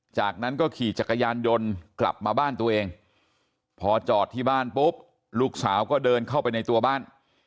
จากนั้นก็ขี่จักรยานยนต์กลับมาบ้านตัวเองพอจอดที่บ้านปุ๊บลูกสาวก็เดินเข้าไปในตัวบ้าน